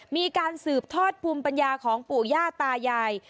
มีการสืบทอดภูมิปัญญาของปู่ย่าตายาย